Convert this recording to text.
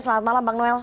selamat malam bang noel